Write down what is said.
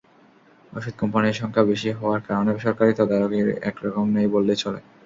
ওষুধ কোম্পানির সংখ্যা বেশি হওয়ার কারণে সরকারি তদারকি একরকম নেই বললেই চলে।